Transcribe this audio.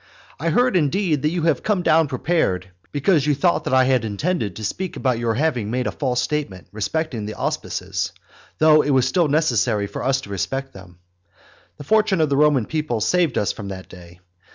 I heard, indeed, that you had come down prepared, because you thought that I intended to speak about your having made a false statement respecting the auspices, though it was still necessary for us to respect them. The fortune of the Roman people saved us from that day.